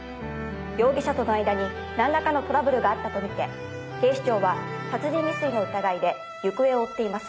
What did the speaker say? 容疑者との間に何らかのトラブルがあったとみて警視庁は殺人未遂の疑いで行方を追っています。